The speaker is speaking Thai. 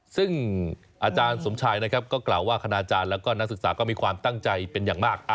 ซึ่งอาจารย์สมชายนะครับก็กล่าวว่าคณาจารย์แล้วก็นักศึกษาก็มีความตั้งใจเป็นอย่างมาก